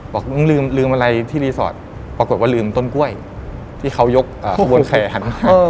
บอกมึงลืมอะไรที่รีสอร์ทปรากฏว่าลืมต้นกล้วยที่เขายกขบวนแขน